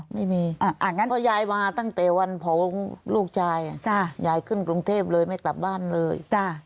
ไม่มีอ่ะงั้นก็ยายมาตั้งแต่วันเผาลูกชายยายขึ้นกรุงเทพเลยไม่กลับบ้านเลย